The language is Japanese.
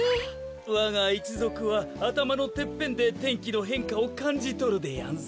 わがいちぞくはあたまのてっぺんで天気のへんかをかんじとるでやんす。